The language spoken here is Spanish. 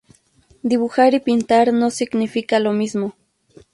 Dibujar y pintar no significa lo mismo.